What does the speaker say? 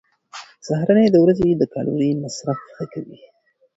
سهارنۍ د ورځې د کالوري مصرف ښه کوي.